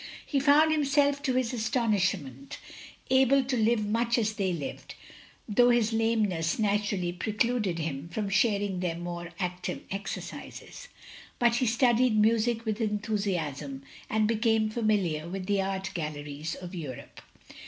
He found himself, to his astonishment, able to live much as they Hved, though his lameness naturally precluded him from sharing their more active exercises. But he studied music with enthusiasm, and became familiar with the art galleries of Europe.